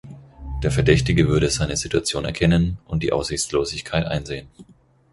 Der Verdächtige würde seine Situation erkennen und die Aussichtslosigkeit einsehen.